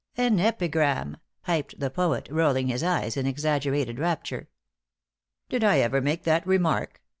'" "An epigram!" piped the poet, rolling his eyes in exaggerated rapture. "Did I ever make that remark?"